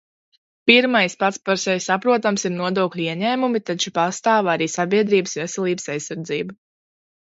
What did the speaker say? Pirmais, pats par sevi saprotams, ir nodokļu ieņēmumi, taču pastāv arī sabiedrības veselības aizsardzība.